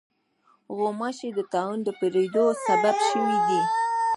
غوماشې د طاعون د خپرېدو سبب شوې دي.